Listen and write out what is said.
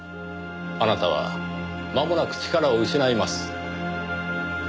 あなたはまもなく力を失います。